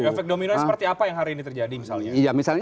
efek dominonya seperti apa yang hari ini terjadi misalnya